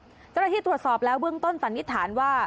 เจ้าหน้าที่ตรวจสอบแล้วเบื้องต้นสันนิษฐานว่า